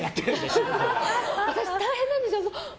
私、大変なんですよ。